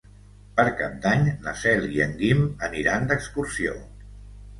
Per Cap d'Any na Cel i en Guim aniran d'excursió.